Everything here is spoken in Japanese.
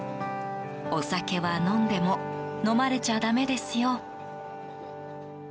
お酒は飲んでも飲まれちゃだめですよ。